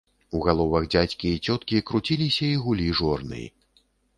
У галовах дзядзькі і цёткі круціліся і гулі жорны.